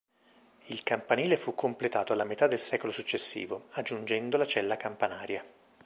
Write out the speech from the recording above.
Il campanile fu completato alla metà del secolo successivo, aggiungendo la cella campanaria.